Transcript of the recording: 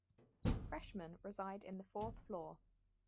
Freshmen reside in the fourth floor.